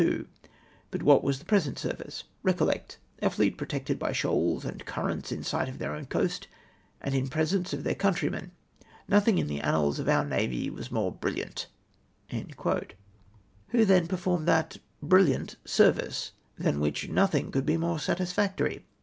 But ivhat was the present service ? Recollect, a fleet protected by shoals and currents, in sight of their own coast, and in presence of their country men. Nothing in the annals of our Usavy was more brilliant !" Who, then, performed that " brilliant " service, than which nothmg could be more satisfactory